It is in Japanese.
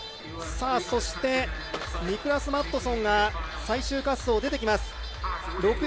そして、ニクラス・マットソンが最終滑走で出てきます。